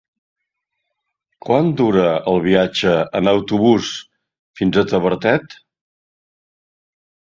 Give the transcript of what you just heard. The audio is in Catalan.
Quant dura el viatge en autobús fins a Tavertet?